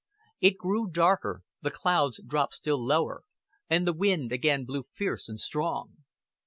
It grew darker, the clouds dropped still lower, and the wind again blew fierce and strong.